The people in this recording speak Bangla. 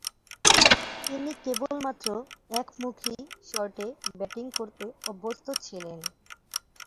তিনি কেবলমাত্র একমুখী শটে ব্যাটিং করতে অভ্যস্ত ছিলেন।